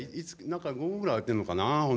どのぐらい空いてるのかな。